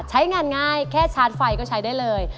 ใช้งานง่ายแค่ชาร์จไฟก็ใช้ได้เลย